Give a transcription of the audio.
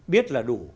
biết là đủ